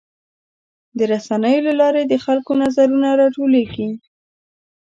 د رسنیو له لارې د خلکو نظرونه راټولیږي.